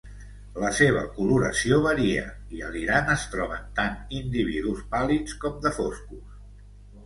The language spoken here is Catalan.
La seva coloració varia i a l'Iran es troben tant individus pàl·lids com de foscos.